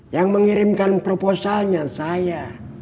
yang mengirimkan proposalnya saya